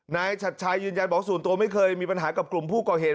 ฉัดชายยืนยันบอกส่วนตัวไม่เคยมีปัญหากับกลุ่มผู้ก่อเหตุ